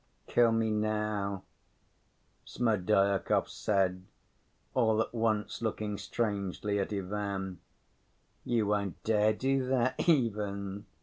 Kill me now," Smerdyakov said, all at once looking strangely at Ivan. "You won't dare do that even!"